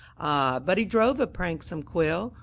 Ah, but he drove a pranksome quill!